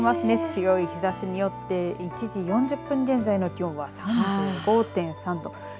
強い日ざしによって１時４０分現在の気温は３５．３度。